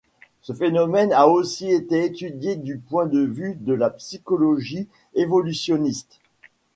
Ce phénomène a aussi été étudié du point de vue la psychologie évolutionniste.